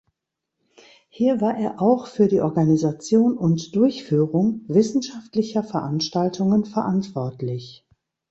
Hier war er auch für die Organisation und Durchführung wissenschaftlicher Veranstaltungen verantwortlich.